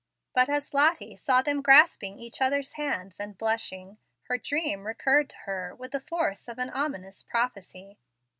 But as Lottie saw them grasping each other's hands and blushing, her dream recurred to her with the force of an ominous prophecy.